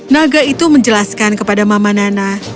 naga itu menjelaskan kepada mama nana